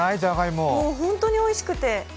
もう本当においしくて。